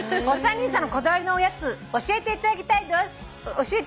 「お三人さんのこだわりのおやつ教えていただきたいです」